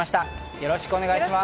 よろしくお願いします。